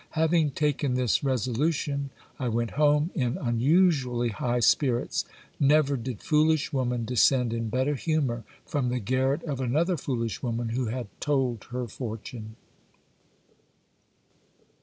Having taken this resolution, I went home in un usually high spirits ; never did foolish woman descend in better humour from the garret of another foolish woman who had told her fortune.